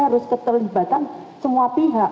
harus keterlibatan semua pihak